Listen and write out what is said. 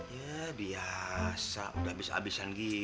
ya biasa udah abis abisan gini